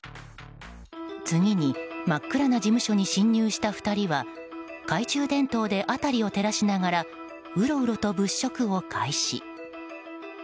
次に真っ暗な事務所に侵入した２人は懐中電灯で辺りを照らしながらうろうろと物色を開始。